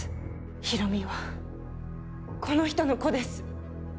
広見はこの人の子です